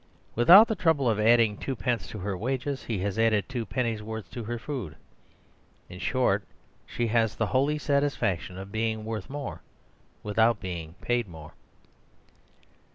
Without the trouble of adding twopence to her wages, he has added twopenny worth to her food. In short, she has the holy satisfaction of being worth more without being paid more.